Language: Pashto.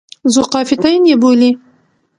ذوقافیتین یې بولي.